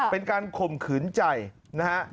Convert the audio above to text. เป็นการข่มขืนใจนะฮะ